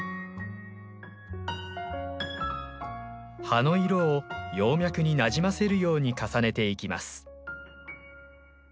葉の色を葉脈になじませるように重ねていきます。